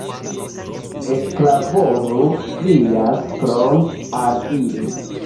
Eklaboru! krias Klomp al ili.